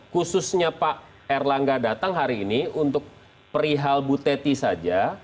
khususnya pak erlangga datang hari ini untuk perihal bu teti saja